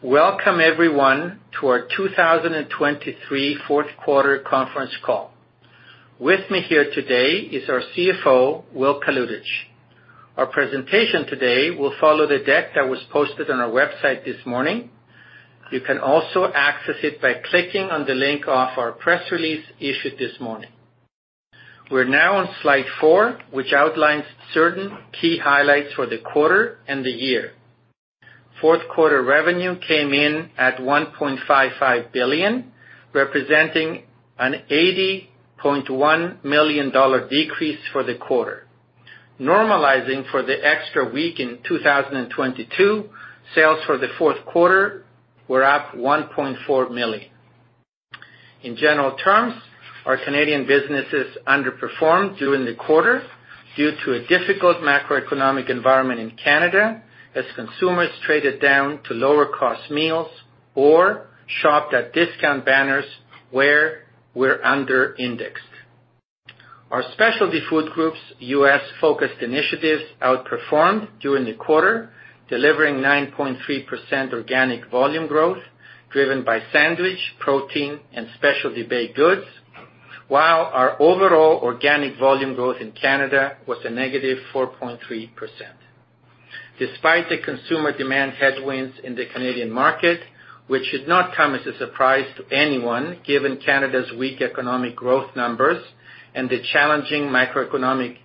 Welcome everyone to our 2023 fourth quarter conference call. With me here today is our CFO, Will Kalutycz. Our presentation today will follow the deck that was posted on our website this morning. You can also access it by clicking on the link off our press release issued this morning. We're now on slide 4, which outlines certain key highlights for the quarter and the year. Fourth quarter revenue came in at 1.55 billion, representing an 80.1 million dollar decrease for the quarter. Normalizing for the extra week in 2022, sales for the fourth quarter were up 1.4 million. In general terms, our Canadian businesses underperformed during the quarter due to a difficult macroeconomic environment in Canada, as consumers traded down to lower-cost meals or shopped at discount banners where we're under-indexed. Our Specialty Foods Group's U.S.-focused initiatives outperformed during the quarter, delivering 9.3% organic volume growth, driven by sandwich, protein, and specialty baked goods, while our overall organic volume growth in Canada was a -4.3%. Despite the consumer demand headwinds in the Canadian market, which should not come as a surprise to anyone, given Canada's weak economic growth numbers and the challenging macroeconomic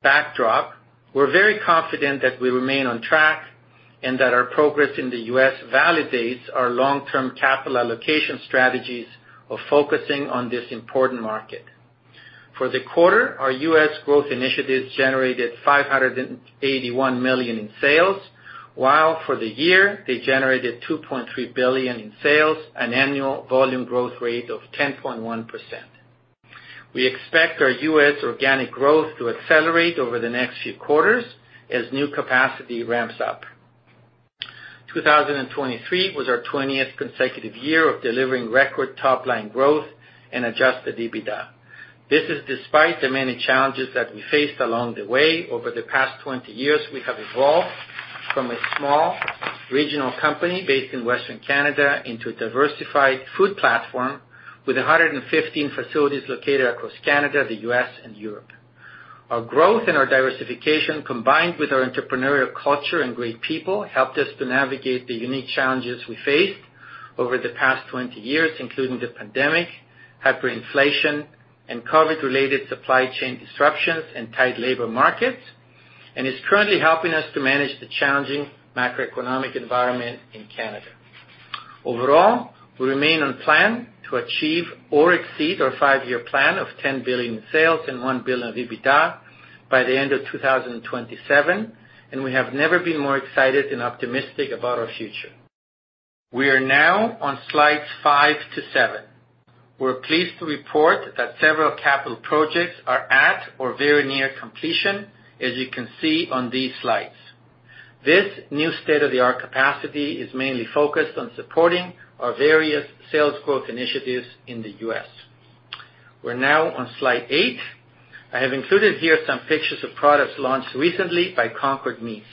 backdrop, we're very confident that we remain on track and that our progress in the U.S. validates our long-term capital allocation strategies of focusing on this important market. For the quarter, our U.S. growth initiatives generated 581 million in sales, while for the year, they generated 2.3 billion in sales, an annual volume growth rate of 10.1%. We expect our U.S. organic growth to accelerate over the next few quarters as new capacity ramps up. 2023 was our 20th consecutive year of delivering record top-line growth and Adjusted EBITDA. This is despite the many challenges that we faced along the way. Over the past 20 years, we have evolved from a small regional company based in Western Canada into a diversified food platform with 115 facilities located across Canada, the U.S., and Europe. Our growth and our diversification, combined with our entrepreneurial culture and great people, helped us to navigate the unique challenges we faced over the past 20 years, including the pandemic, hyperinflation, and COVID-related supply chain disruptions and tight labor markets, and is currently helping us to manage the challenging macroeconomic environment in Canada. Overall, we remain on plan to achieve or exceed our five-year plan of 10 billion in sales and 1 billion in EBITDA by the end of 2027, and we have never been more excited and optimistic about our future. We are now on slides 5-7. We're pleased to report that several capital projects are at or very near completion, as you can see on these slides. This new state-of-the-art capacity is mainly focused on supporting our various sales growth initiatives in the U.S. We're now on slide 8. I have included here some pictures of products launched recently by Concord Meats.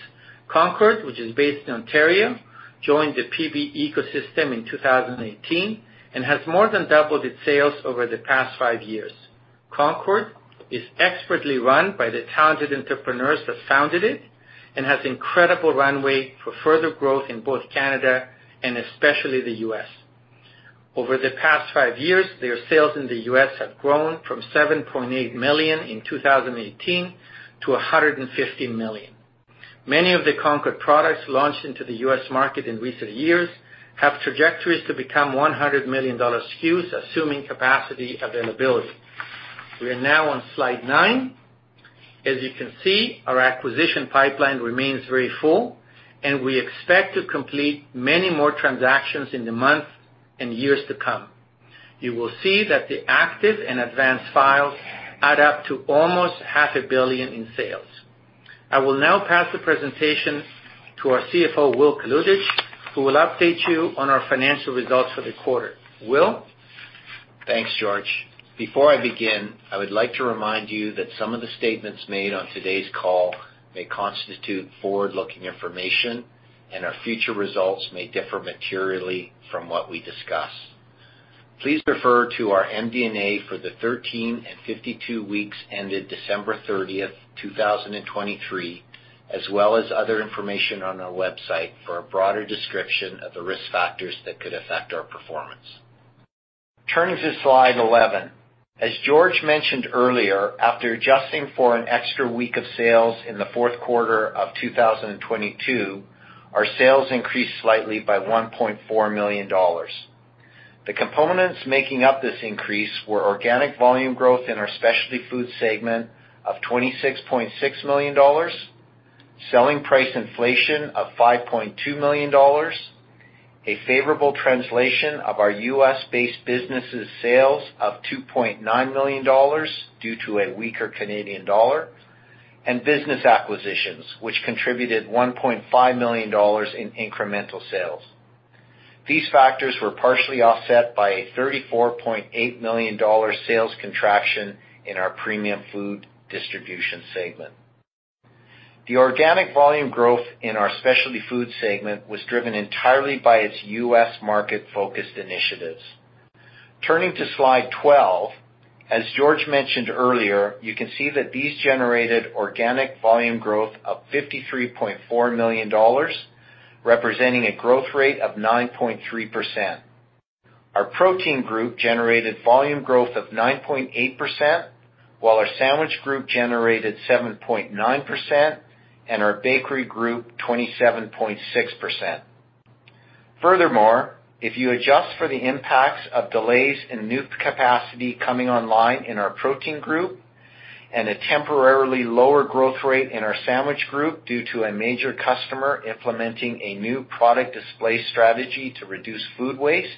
Concord, which is based in Ontario, joined the PB ecosystem in 2018 and has more than doubled its sales over the past five years. Concord is expertly run by the talented entrepreneurs that founded it and has incredible runway for further growth in both Canada and especially the U.S. Over the past five years, their sales in the U.S. have grown from $7.8 million in 2018 to $150 million. Many of the Concord products launched into the U.S. market in recent years have trajectories to become $100 million SKUs, assuming capacity availability. We are now on slide 9. As you can see, our acquisition pipeline remains very full, and we expect to complete many more transactions in the months and years to come. You will see that the active and advanced files add up to almost $500 million in sales. I will now pass the presentation to our CFO, Will Kalutycz, who will update you on our financial results for the quarter. Will? Thanks, George. Before I begin, I would like to remind you that some of the statements made on today's call may constitute forward-looking information, and our future results may differ materially from what we discuss. Please refer to our MD&A for the 13 and 52 weeks ended December 30th, 2023, as well as other information on our website for a broader description of the risk factors that could affect our performance. Turning to slide 11. As George mentioned earlier, after adjusting for an extra week of sales in the fourth quarter of 2022, our sales increased slightly by 1.4 million dollars. The components making up this increase were organic volume growth in our specialty food segment of 26.6 million dollars, selling price inflation of 5.2 million dollars, a favorable translation of our U.S.-based businesses' sales of 2.9 million dollars due to a weaker Canadian dollar, and business acquisitions, which contributed 1.5 million dollars in incremental sales. These factors were partially offset by a 34.8 million dollar sales contraction in our Premium Food Distribution segment. The organic volume growth in our specialty food segment was driven entirely by its U.S. market-focused initiatives. Turning to slide 12, as George mentioned earlier, you can see that these generated organic volume growth of 53.4 million dollars, representing a growth rate of 9.3%. Our protein group generated volume growth of 9.8%, while our sandwich group generated 7.9% and our bakery group, 27.6%. Furthermore, if you adjust for the impacts of delays in new capacity coming online in our protein group and a temporarily lower growth rate in our sandwich group due to a major customer implementing a new product display strategy to reduce food waste,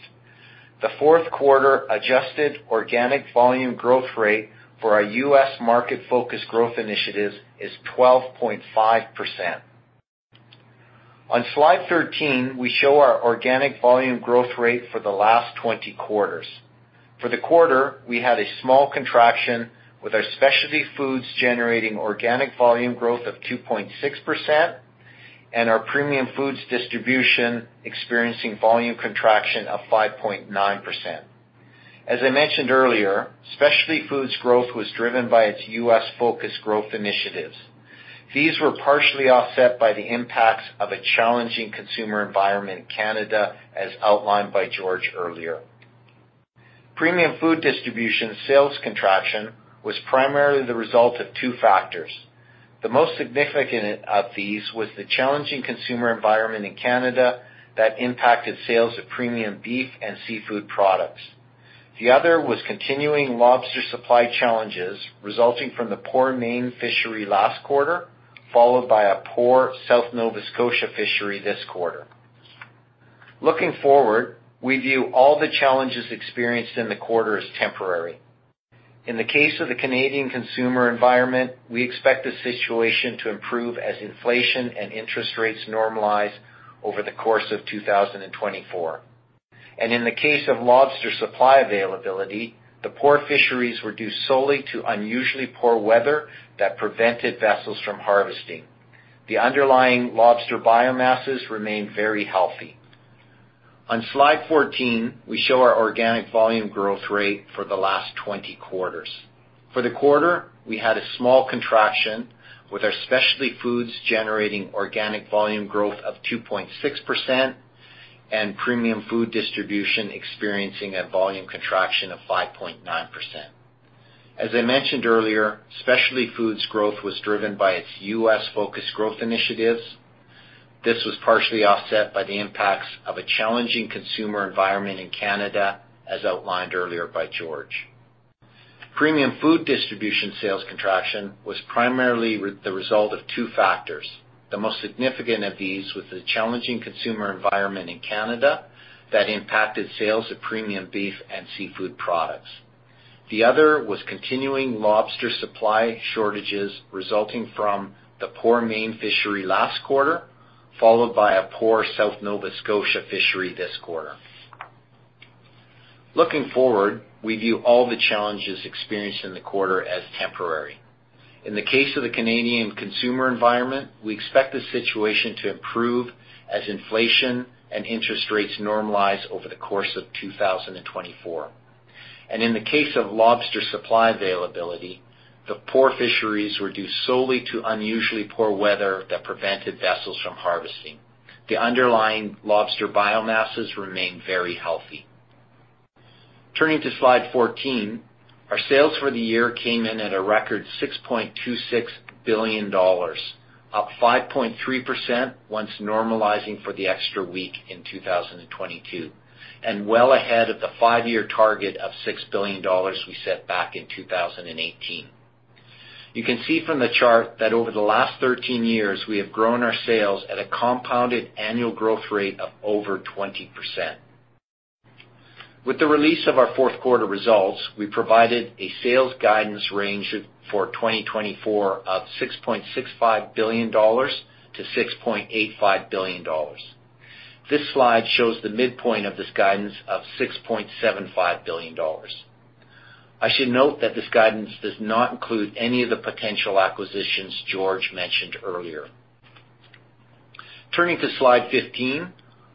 the fourth quarter adjusted organic volume growth rate for our U.S. market focus growth initiatives is 12.5%. On slide 13, we show our organic volume growth rate for the last 20 quarters. For the quarter, we had a small contraction, with our Specialty Foods generating organic volume growth of 2.6% and our Premium Food Distribution experiencing volume contraction of 5.9%. As I mentioned earlier, specialty foods growth was driven by its U.S.-focused growth initiatives. These were partially offset by the impacts of a challenging consumer environment in Canada, as outlined by George earlier. Premium Food Distribution sales contraction was primarily the result of two factors. The most significant of these was the challenging consumer environment in Canada that impacted sales of Premium beef and seafood products. The other was continuing lobster supply challenges resulting from the poor Maine fishery last quarter, followed by a poor South Nova Scotia fishery this quarter. Looking forward, we view all the challenges experienced in the quarter as temporary. In the case of the Canadian consumer environment, we expect the situation to improve as inflation and interest rates normalize over the course of 2024. In the case of lobster supply availability, the poor fisheries were due solely to unusually poor weather that prevented vessels from harvesting. The underlying lobster biomasses remain very healthy. On slide 14, we show our organic volume growth rate for the last 20 quarters. For the quarter, we had a small contraction, with our specialty foods generating organic volume growth of 2.6% and premium food distribution experiencing a volume contraction of 5.9%. As I mentioned earlier, specialty foods growth was driven by its U.S.-focused growth initiatives. This was partially offset by the impacts of a challenging consumer environment in Canada, as outlined earlier by George. Premium food distribution sales contraction was primarily the result of two factors. The most significant of these was the challenging consumer environment in Canada that impacted sales of premium beef and seafood products. The other was continuing lobster supply shortages resulting from the poor Maine fishery last quarter, followed by a poor South Nova Scotia fishery this quarter. Looking forward, we view all the challenges experienced in the quarter as temporary. In the case of the Canadian consumer environment, we expect the situation to improve as inflation and interest rates normalize over the course of 2024. In the case of lobster supply availability, the poor fisheries were due solely to unusually poor weather that prevented vessels from harvesting. The underlying lobster biomasses remain very healthy. Turning to slide 14, our sales for the year came in at a record 6.26 billion dollars, up 5.3% once normalizing for the extra week in 2022, and well ahead of the 5-year target of 6 billion dollars we set back in 2018. You can see from the chart that over the last 13 years, we have grown our sales at a compound annual growth rate of over 20%. With the release of our fourth quarter results, we provided a sales guidance range for 2024 of 6.65 billion-6.85 billion dollars. This slide shows the midpoint of this guidance of 6.75 billion dollars. I should note that this guidance does not include any of the potential acquisitions George mentioned earlier. Turning to slide 15,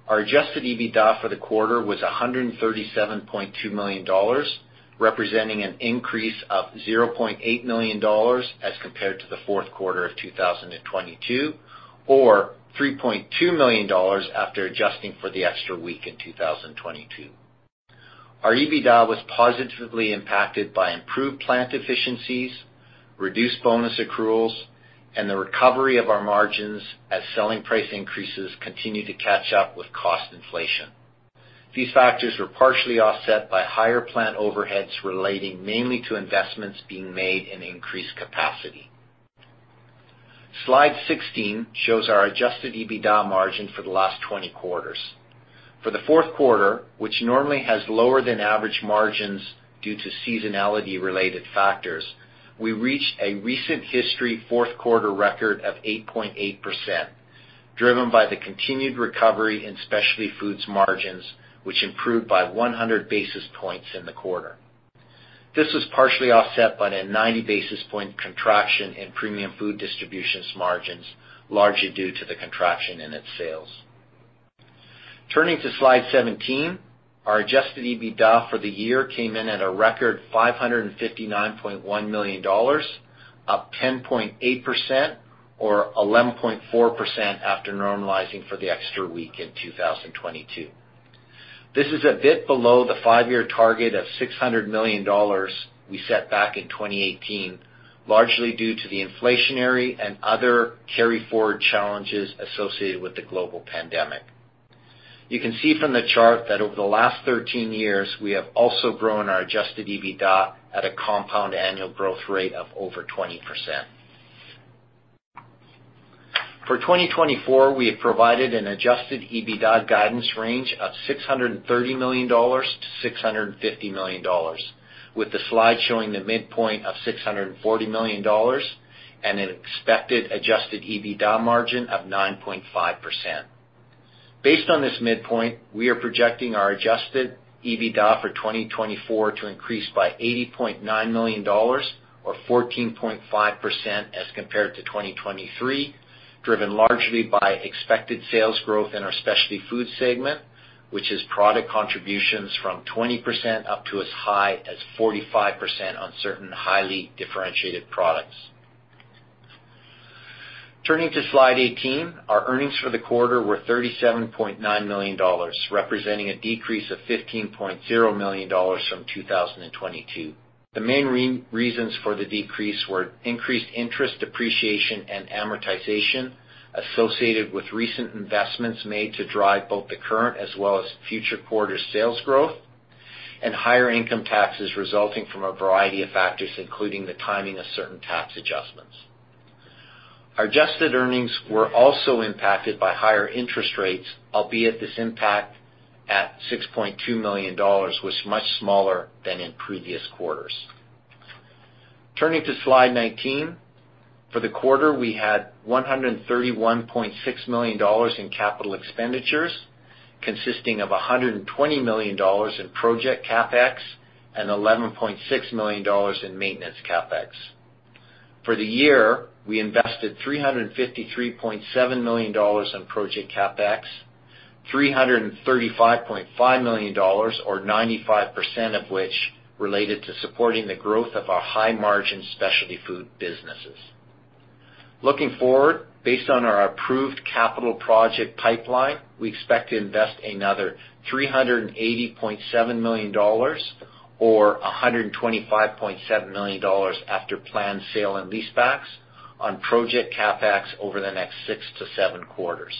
our Adjusted EBITDA for the quarter was 137.2 million dollars, representing an increase of 0.8 million dollars as compared to the fourth quarter of 2022, or 3.2 million dollars after adjusting for the extra week in 2022. Our EBITDA was positively impacted by improved plant efficiencies, reduced bonus accruals, and the recovery of our margins as selling price increases continue to catch up with cost inflation. These factors were partially offset by higher plant overheads relating mainly to investments being made in increased capacity. Slide 16 shows our Adjusted EBITDA margin for the last 20 quarters. For the fourth quarter, which normally has lower than average margins due to seasonality-related factors, we reached a recent history fourth quarter record of 8.8%, driven by the continued recovery in specialty foods margins, which improved by 100 basis points in the quarter. This was partially offset by a 90 basis point contraction in Premium Food Distribution's margins, largely due to the contraction in its sales. Turning to Slide 17, our Adjusted EBITDA for the year came in at a record 559.1 million dollars, up 10.8%, or 11.4%, after normalizing for the extra week in 2022. This is a bit below the five-year target of 600 million dollars we set back in 2018, largely due to the inflationary and other carry forward challenges associated with the global pandemic. You can see from the chart that over the last 13 years, we have also grown our Adjusted EBITDA at a Compound Annual Growth Rate of over 20%. For 2024, we have provided an Adjusted EBITDA guidance range of 630 million-650 million dollars, with the slide showing the midpoint of 640 million dollars and an expected Adjusted EBITDA margin of 9.5%. Based on this midpoint, we are projecting our Adjusted EBITDA for 2024 to increase by 80.9 million dollars or 14.5% as compared to 2023, driven largely by expected sales growth in our specialty food segment, which is product contributions from 20% up to as high as 45% on certain highly differentiated products. Turning to Slide 18, our earnings for the quarter were 37.9 million dollars, representing a decrease of 15.0 million dollars from 2022. The main reasons for the decrease were increased interest, depreciation, and amortization associated with recent investments made to drive both the current as well as future quarter sales growth, and higher income taxes resulting from a variety of factors, including the timing of certain tax adjustments. Our adjusted earnings were also impacted by higher interest rates, albeit this impact, at 6.2 million dollars, was much smaller than in previous quarters. Turning to Slide 19, for the quarter, we had 131.6 million dollars in capital expenditures, consisting of 120 million dollars in project CapEx and 11.6 million dollars in maintenance CapEx. For the year, we invested 353.7 million dollars in project CapEx, 335.5 million dollars, or 95% of which related to supporting the growth of our high-margin specialty food businesses. Looking forward, based on our approved capital project pipeline, we expect to invest another 380.7 million dollars, or 125.7 million dollars after planned sale and lease backs, on project CapEx over the next 6-7 quarters.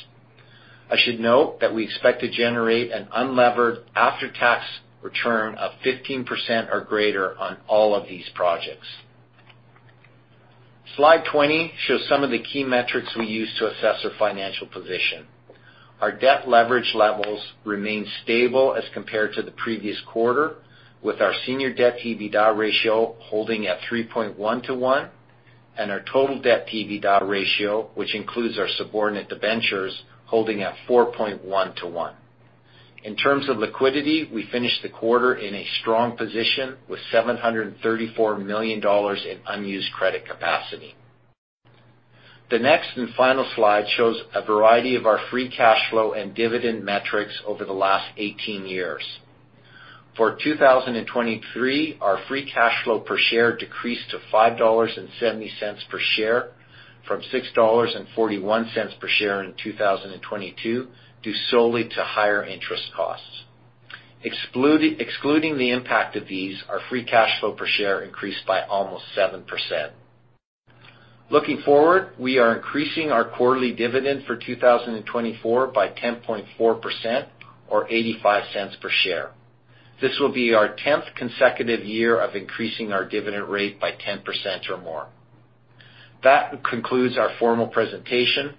I should note that we expect to generate an unlevered after-tax return of 15% or greater on all of these projects. Slide 20 shows some of the key metrics we use to assess our financial position. Our debt leverage levels remain stable as compared to the previous quarter, with our senior debt EBITDA ratio holding at 3.1 to 1, and our total debt EBITDA ratio, which includes our subordinate debentures, holding at 4.1 to 1. In terms of liquidity, we finished the quarter in a strong position with 734 million dollars in unused credit capacity. The next and final slide shows a variety of our free cash flow and dividend metrics over the last 18 years. For 2023, our free cash flow per share decreased to 5.70 dollars per share, from 6.41 dollars per share in 2022, due solely to higher interest costs. Excluding the impact of these, our free cash flow per share increased by almost 7%. Looking forward, we are increasing our quarterly dividend for 2024 by 10.4%, or 0.85 per share. This will be our 10th consecutive year of increasing our dividend rate by 10% or more. That concludes our formal presentation.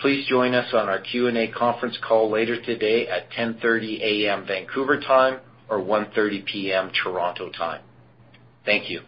Please join us on our Q&A conference call later today at 10:30 A.M. Vancouver time, or 1:30 P.M. Toronto time. Thank you.